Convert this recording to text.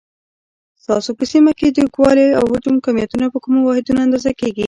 ستاسو په سیمه کې د اوږدوالي، او حجم کمیتونه په کومو واحداتو اندازه کېږي؟